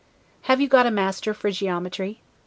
Have you got a master for geometry?